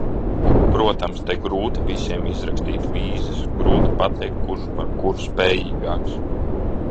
Protams, te grūti visiem izrakstīt vīzas, grūti pateikt, kurš par kuru spējīgāks.